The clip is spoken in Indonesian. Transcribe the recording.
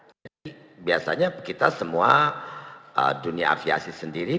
jadi biasanya kita semua dunia aviasi sendiri